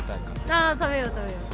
あー、食べよう、食べよう。